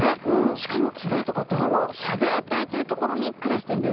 しかも砂とか泥の砂泥底という所に暮らしているんです。